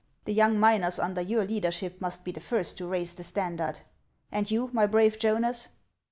The young miners under your leadership must be the first to raise the standard. And you, my brave Jonas